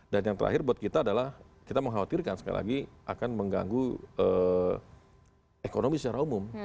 dan yang terakhir buat kita adalah kita mengkhawatirkan sekali lagi akan mengganggu ekonomi secara umum